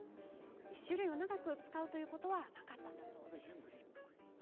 １種類を長く使うということはなかったんだそうです。